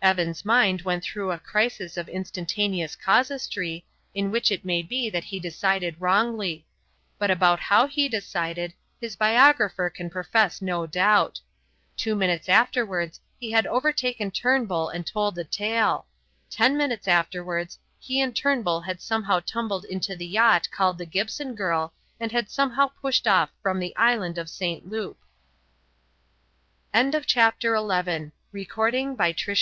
Evan's mind went through a crisis of instantaneous casuistry, in which it may be that he decided wrongly; but about how he decided his biographer can profess no doubt. Two minutes afterwards he had overtaken Turnbull and told the tale; ten minutes afterwards he and Turnbull had somehow tumbled into the yacht called the Gibson Girl and had somehow pushed off from the Isle of St. Loup. XII. THE DESERT ISLAND Those who happen to hold the view (and Mr. Evan MacIan,